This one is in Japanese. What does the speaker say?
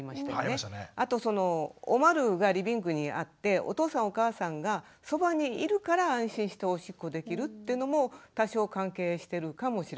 あとそのおまるがリビングにあってお父さんお母さんがそばにいるから安心しておしっこできるというのも多少関係してるかもしれませんね。